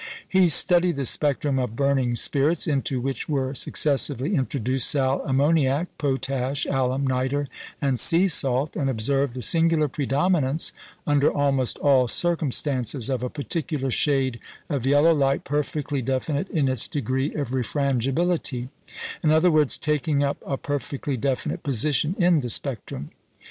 He studied the spectrum of burning spirits, into which were successively introduced sal ammoniac, potash, alum, nitre, and sea salt, and observed the singular predominance, under almost all circumstances, of a particular shade of yellow light, perfectly definite in its degree of refrangibility in other words, taking up a perfectly definite position in the spectrum.